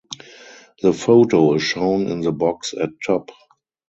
The photo is shown in the box at top.